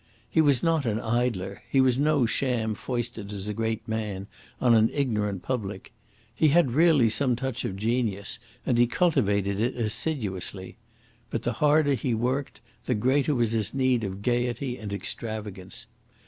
He was not an idler; he was no sham foisted as a great man on an ignorant public. He had really some touch of genius, and he cultivated it assiduously. But the harder he worked, the greater was his need of gaiety and extravagance.